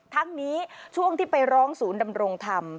ทั้งนี้ช่วงที่ไปร้องศูนย์ดำรงธรรม